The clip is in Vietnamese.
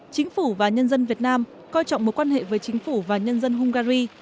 chính phủ và nhân dân việt nam coi trọng mối quan hệ với chính phủ và nhân dân hungary